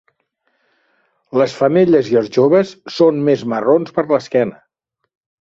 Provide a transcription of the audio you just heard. Les femelles i els joves són més marrons per l'esquena.